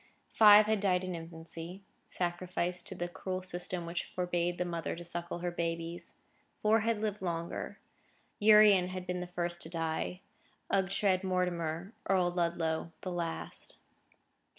Five had died in infancy,—sacrificed to the cruel system which forbade the mother to suckle her babies. Four had lived longer; Urian had been the first to die, Ughtred Mortimar, Earl Ludlow, the last.